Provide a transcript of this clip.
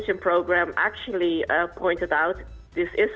dan program televisi ini sebenarnya mengatakan